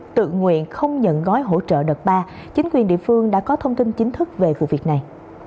tự nguyện không nhận gói hỗ trợ đợt ba chính quyền địa phương đã có thông tin chính thức về vụ việc này